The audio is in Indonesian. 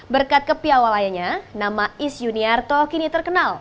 berkat kepiawalayanya nama is juniarto kini terkenal